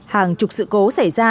hàng chục sự cố xảy ra